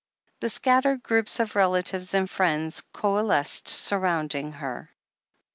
The scattered groups of relatives and friends coal esced, surrounding her.